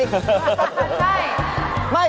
ใช่